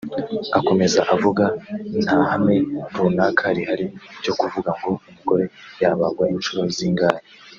Akomeza avuga nta hame runaka rihari ryo kuvuga ngo umugore yabangwa inshuro zingahe